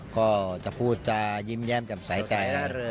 ก็จะพูดจะยิ้มแย้มจำใส่ใจนะครับ